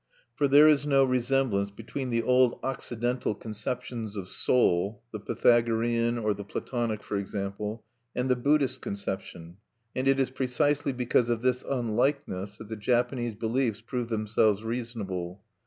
For there is no resemblance between the old Occidental conceptions of soul the Pythagorean or the Platonic, for example and the Buddhist conception; and it is precisely because of this unlikeness that the Japanese beliefs prove themselves reasonable.